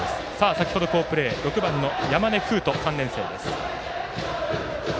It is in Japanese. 先ほど、好プレー６番の山根楓斗、３年生です。